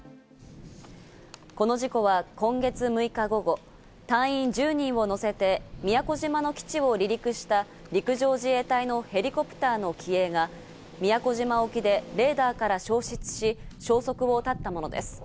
この事故は今月６日午後、隊員１０人を乗せて宮古島の基地を離陸した陸上自衛隊のヘリコプターの機影が宮古島沖でレーダーから消失し、消息を絶ったものです。